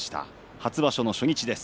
初場所の初日です。